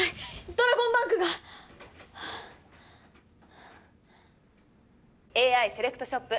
ドラゴンバンクがＡＩセレクトショップ